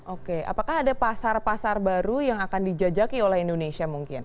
oke apakah ada pasar pasar baru yang akan dijajaki oleh indonesia mungkin